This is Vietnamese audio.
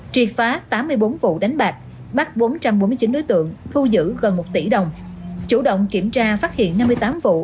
triệt phá tám mươi bốn vụ đánh bạc bắt bốn trăm bốn mươi chín đối tượng thu giữ gần một tỷ đồng chủ động kiểm tra phát hiện năm mươi tám vụ